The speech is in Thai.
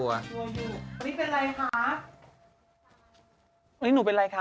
วันนี้หนูเป็นไรคะ